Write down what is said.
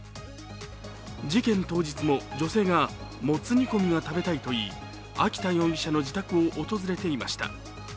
事件当日も、女性がもつ煮込みが食べたいが言い秋田容疑者の自宅を訪れていました。